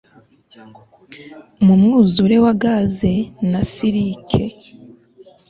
Mu mwuzure wa gaze na silike